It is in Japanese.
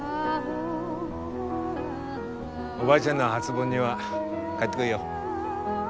おばあちゃんの初盆には帰ってこいよ。